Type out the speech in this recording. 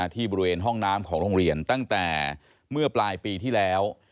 ที่บริเวณห้องน้ำของโรงเรียนตั้งแต่เมื่อปลายปีที่แล้ว